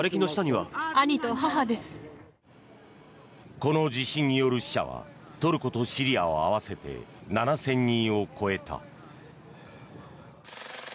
この地震による死者はトルコとシリアを合わせて７００人を超えた。